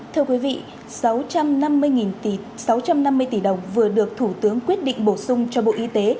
thưa quý vị sáu trăm năm mươi tỷ đồng vừa được thủ tướng quyết định bổ sung cho bộ y tế